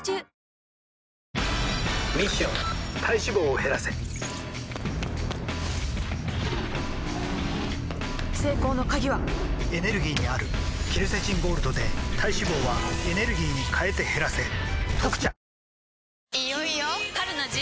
ミッション体脂肪を減らせ成功の鍵はエネルギーにあるケルセチンゴールドで体脂肪はエネルギーに変えて減らせ「特茶」